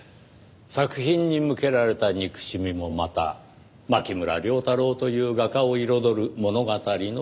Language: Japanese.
作品に向けられた憎しみもまた牧村遼太郎という画家を彩る物語の一つ。